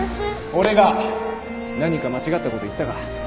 俺が何か間違ったこと言ったか？